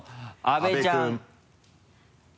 阿部ちゃん。